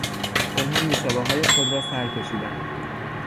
آنها نوشابههای خود را سرکشیدند.